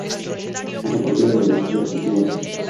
Es propia de las vestiduras antiguas.